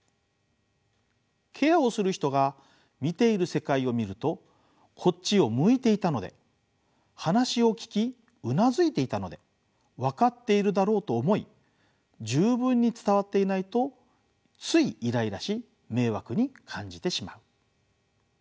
ケアをする人が見ている世界を見るとこっちを向いていたので話を聞きうなずいていたのでわかっているだろうと思い十分に伝わっていないとついイライラし迷惑に感じてしまう。